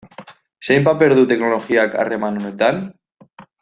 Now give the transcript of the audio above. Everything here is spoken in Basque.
Zein paper du teknologiak harreman honetan?